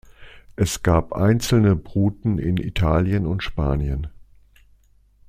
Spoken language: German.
Es gab einzelne Bruten in Italien und Spanien.